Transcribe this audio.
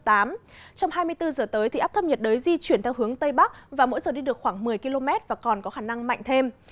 trong hai mươi bốn h tới thì áp thấp nhiệt đới di chuyển theo hướng tây bắc và mỗi giờ đi được khoảng một mươi km và còn có khả năng mạnh thêm